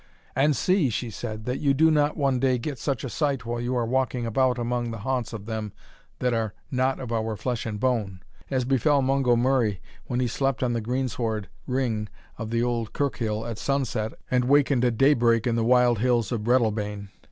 "And see," she said, "that you do not one day get such a sight while you are walking about among the haunts of them that are not of our flesh and bone, as befell Mungo Murray when he slept on the greensward ring of the Auld Kirkhill at sunset, and wakened at daybreak in the wild hills of Breadalbane.